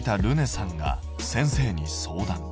さんが先生に相談。